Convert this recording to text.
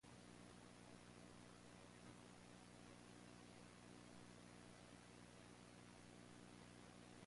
Vexillationes were stationed at Salona and Gardun as well.